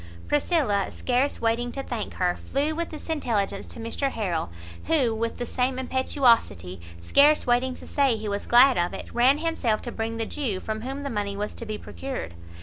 Priscilla, scarce waiting to thank her, flew with this intelligence to Mr Harrel; who with the same impetuosity, scarce waiting to say he was glad of it, ran himself to bring the Jew from whom the money was to be procured.